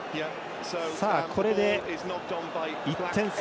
これで１点差。